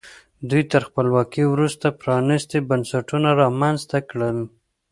دوی تر خپلواکۍ وروسته پرانیستي بنسټونه رامنځته کړل.